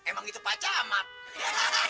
emangnya pak jamat